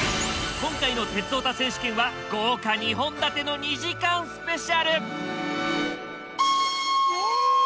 今回の「鉄オタ選手権」は「豪華２本立ての２時間スペシャル」！